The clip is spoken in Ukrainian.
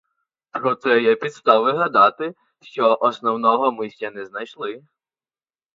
Проте є підстави гадати, що основного ми ще не знайшли.